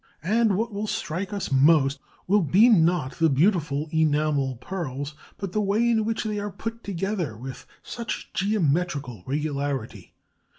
And what will strike us most will be not the beautiful enamel pearls, but the way in which they are put together with such geometrical regularity.